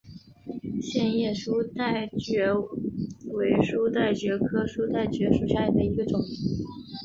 线叶书带蕨为书带蕨科书带蕨属下的一个种。